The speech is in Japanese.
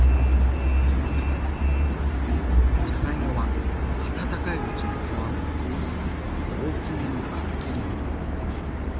じゃがいもはあたたかいうちに皮をむき大きめの角切りに。